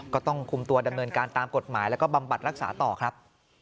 ก็ต้องคุมตัวดำเนินการตามกฎหมายแล้วก็บำบัดรักษาต่อครับ